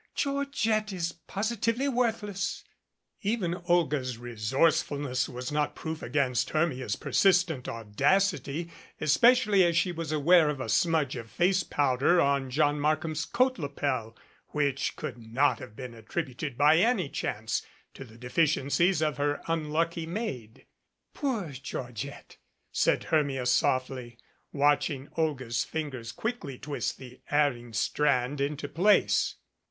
Georgette is positively worthless !" Even Olga's resourcefulness was not proof against Hermia's persistent audacity, especially as she was aware of a smudge of face powder on John Markham's coat lapel which could not have been attributed by any chance to the deficiencies of her unlucky maid. "Poor Georgette!" said Hermia softly, watching Olga's fingers quickly twist the erring strand into place.